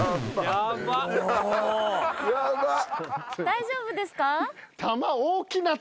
大丈夫ですか？